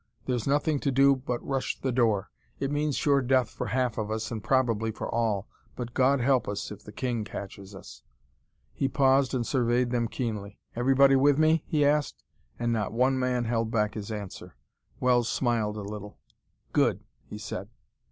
There's nothing to do but rush the door. It means sure death for half of us, and probably for all but God help us if the king catches us!" He paused and surveyed them keenly. "Everybody with me?" he asked. And not one man held back his answer. Wells smiled a little. "Good!" he said.